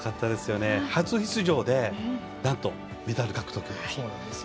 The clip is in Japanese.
初出場でなんとメダル獲得。